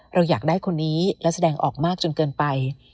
เราอยากได้คนนี้และแสดงออกมากจนเกินไป